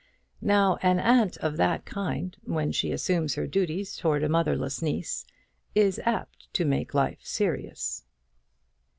Now an aunt of that kind, when she assumes her duties towards a motherless niece, is apt to make life serious.